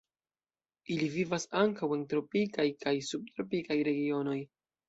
Ili vivas ankaŭ en tropikaj kaj subtropikaj regionoj.